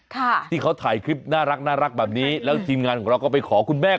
ค่ะที่เขาถ่ายคลิปน่ารักแบบนี้แล้วทีมงานของเราก็ไปขอคุณแม่